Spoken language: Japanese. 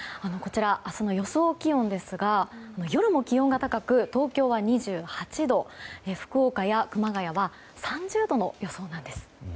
明日の予想気温ですが夜も気温が高く東京は２８度福岡や熊谷は３０度の予想なんです。